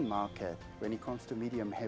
terhadap truk berat sederhana